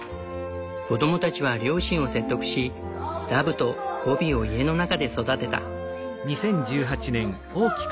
子供たちは両親を説得しダブとゴビを家の中で育てた。